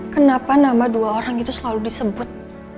kenapa nama dua orang itu selalu disebut